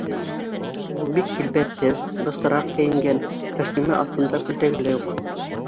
Ул бик килбәтһеҙ, бысраҡ кейенгән, костюмы аҫтында күлдәге лә юҡ.